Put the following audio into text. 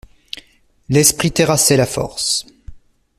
L'esprit terrassait la force.